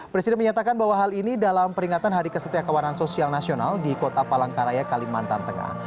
presiden menyatakan bahwa hal ini dalam peringatan hari kesetiakawanan sosial nasional di kota palangkaraya kalimantan tengah